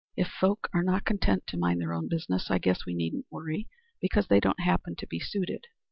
If folk are not content to mind their own business, I guess we needn't worry because they don't happen to be suited.